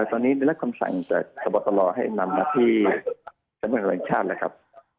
ตอนนี้ได้รักความสั่งจากสมบัติศาสตร์ให้นำมาที่เฉพาะอันตรายชาติแล้วครับ